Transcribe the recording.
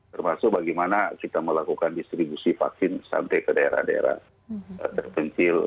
termasuk bagaimana kita melakukan distribusi vaksin sampai ke daerah daerah terpencil